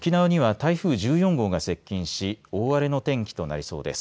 台風１４号が接近し大荒れの天気となりそうです。